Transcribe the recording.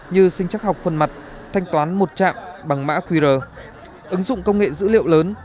như sinh chắc học phần mặt thanh toán một chạm bằng mã qr ứng dụng công nghệ dữ liệu lớn